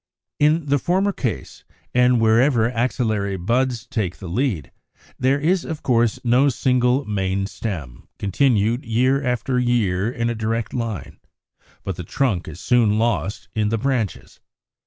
= In the former case, and wherever axillary buds take the lead, there is, of course, no single main stem, continued year after year in a direct line, but the trunk is soon lost in the branches.